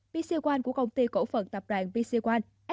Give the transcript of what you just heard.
pc one của công ty cổ phần tập đoàn pc one